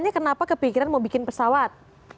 kenapa kepikiran mau bikin pesawat